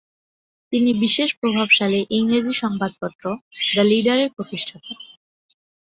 তিনি বিশেষ প্রভাবশালী ইংরেজি সংবাদপত্র "দ্য লিডারে"র প্রতিষ্ঠাতা।